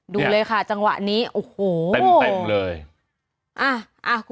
ดูเลยค่ะจังหวะนี้โอ้โห